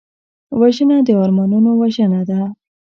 وژنه د ارمانونو وژنه ده